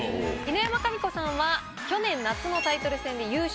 犬山紙子さんは去年夏のタイトル戦で優勝。